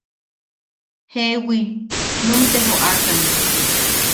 Jeewi, num te joʼakan.